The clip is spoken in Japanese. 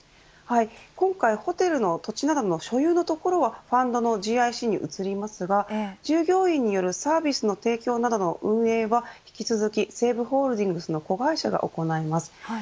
今回、ホテルの土地などの所有のところはファンドのＧＩＣに移りますが従業員によるサービスの提供などの運営は引き続き西武ホールディングスの子会社が行います。